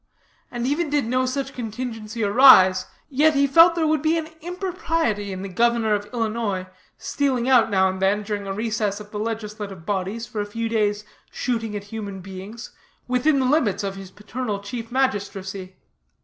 And even did no such contingecy arise, yet he felt there would be an impropriety in the Governor of Illinois stealing out now and then, during a recess of the legislative bodies, for a few days' shooting at human beings, within the limits of his paternal chief magistracy.